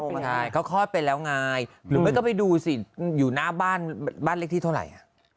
ใช่เขาขอดไปแล้วไงก็ไปดูสิอยู่หน้าบ้านเลขที่เท่าไหร่